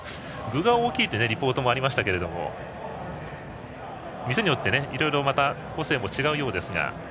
具が大きいというリポートもありましたが店によって、いろいろ個性も違うようですが。